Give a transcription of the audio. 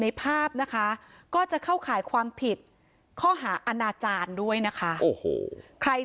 ในภาพนะคะก็จะเข้าข่ายความผิดข้อหาอนาจารด้วยนะคะใคร